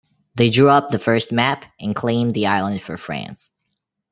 They drew up the first map and claimed the island for France.